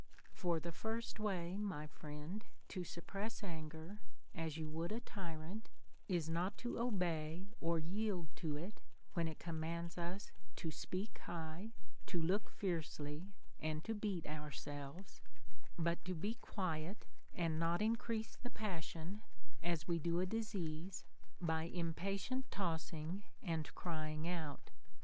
5. For the first way, my friend, to suppress auger, as you would a tyrant, is not to obey or yield to it when it commands us to speak high, to look fiercely, and to beat ourselves ; but to be quiet, and not increase the passion, as we do a disease, by impatient tossing and crying out.